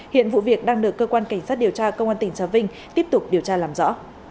hiện vụ việc đang được cơ quan cảnh sát điều tra công an tỉnh trà vinh tiếp tục điều tra làm rõ